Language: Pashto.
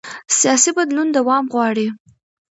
سیاسي بدلون دوام غواړي